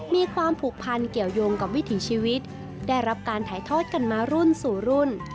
มีความผูกพันเกี่ยวยงกับวิถีชีวิตได้รับการถ่ายทอดกันมารุ่นสู่รุ่น